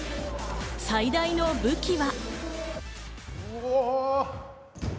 最大の武器は。